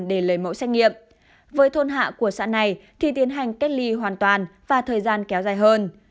để lấy mẫu xét nghiệm với thôn hạ của xã này thì tiến hành cách ly hoàn toàn và thời gian kéo dài hơn